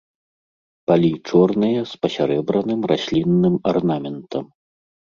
Палі чорныя з пасярэбраным раслінным арнаментам.